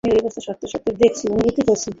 আমি ঐ অবস্থা সত্যসত্যই দেখেছি, অনুভূতি করেছি।